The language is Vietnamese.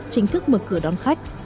chính thức mở cửa đón khách